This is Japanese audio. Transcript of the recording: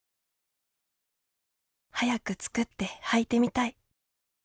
早く作ってはいてみたい。